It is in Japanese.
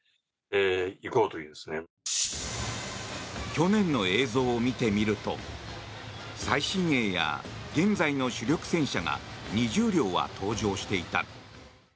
去年の映像を見てみると最新鋭や現在の主力戦車が２０両は登場していた。